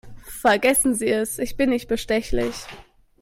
Vergessen Sie es, ich bin nicht bestechlich.